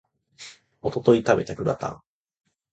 一昨日食べたグラタン